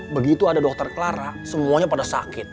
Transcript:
begitu ada dokter clara semuanya pada sakit